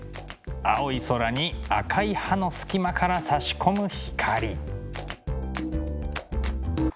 青い空に赤い葉の隙間からさし込む光。